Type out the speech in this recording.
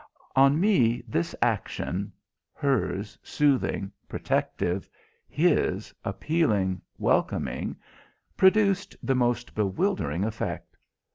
On me this action hers soothing, protective; his appealing, welcoming produced the most bewildering effect.